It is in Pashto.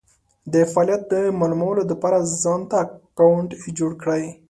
دفعالیت د مالومولو دپاره ځانته اکونټ جوړ کړی